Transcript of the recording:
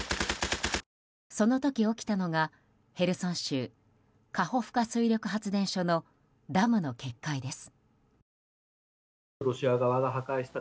その時、起きたのがヘルソン州カホフカ水力発電所のダムの決壊です。